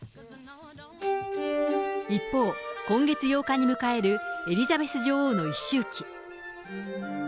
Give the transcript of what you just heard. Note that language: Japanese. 一方、今月８日に迎えるエリザベス女王の一周忌。